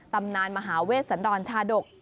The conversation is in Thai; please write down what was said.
ตำนานมหาเวชสันดรชาดก